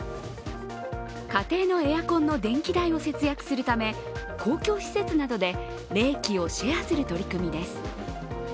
家庭のエアコンの電気代を節約するため、公共施設などで冷気をシェアする取り組みです。